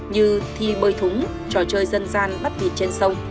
như thi bơi thúng trò chơi dân gian bắt nhịp trên sông